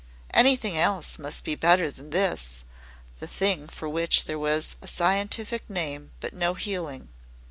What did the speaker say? Anything else must be better than this the thing for which there was a scientific name but no healing.